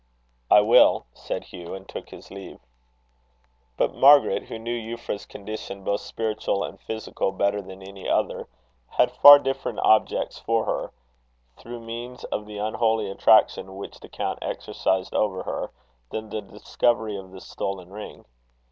"I will," said Hugh, and took his leave. But Margaret, who knew Euphra's condition, both spiritual and physical, better than any other, had far different objects for her, through means of the unholy attraction which the count exercised over her, than the discovery of the stolen ring.